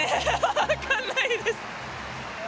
分からないです。